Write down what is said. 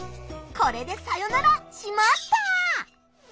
これでさよなら「しまった！」。